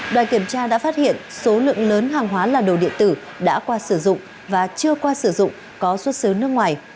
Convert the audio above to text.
đoàn kiểm tra đã phát hiện số lượng lớn hàng hóa là đồ điện tử đã qua sử dụng và chưa qua sử dụng có xuất xứ nước ngoài